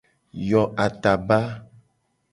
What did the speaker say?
Yo ataba.